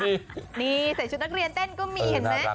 นี่ใส่ชุดนักเรียนเต้นก็มีเห็นไหม